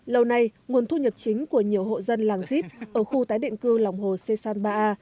lâu nay nguồn thu nhập chính của nhiều hộ dân làng zip ở khu tái định cư lòng hồ sê san ba a